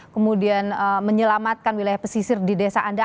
kemudian menyelamatkan wilayah pesisir di desa anda